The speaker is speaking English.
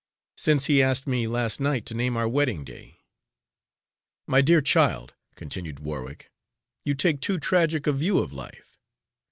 "Since he asked me last night to name our wedding day." "My dear child," continued Warwick, "you take too tragic a view of life.